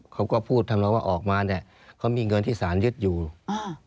เขาก็พูดทำนองว่าออกมาเนี้ยเขามีเงินที่สารยึดอยู่อ่า